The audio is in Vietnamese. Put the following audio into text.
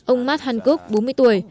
ông matt hancock bốn mươi tuổi